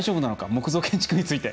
木造建築について。